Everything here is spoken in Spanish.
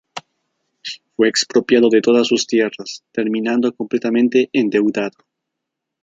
Fue expropiado de todas sus tierras, terminando completamente endeudado.